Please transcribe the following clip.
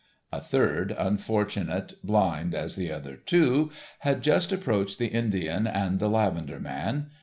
A third unfortunate, blind as the other two, had just approached the Indian and the lavender man.